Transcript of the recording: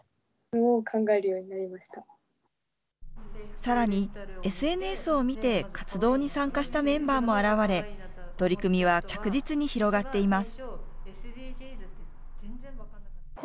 さらに、ＳＮＳを見て活動に参加したメンバーも現れ、取り組みは着実に広がっています。